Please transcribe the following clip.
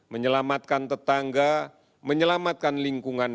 menyelamatkan tetangga menyelamatkan lingkungan